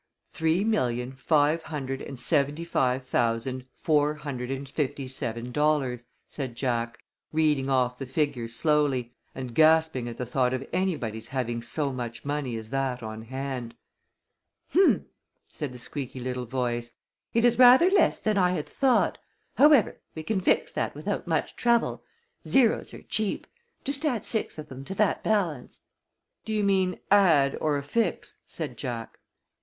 "Three million five hundred and seventy five thousand four hundred and fifty seven dollars," said Jack, reading off the figures slowly, and gasping at the thought of anybody's having so much money as that on hand. "H'm!" said the squeaky little voice. "It is rather less than I had thought. However, we can fix that without much trouble. Zeros are cheap. Just add six of them to that balance." "Do you mean add or affix?" asked Jack.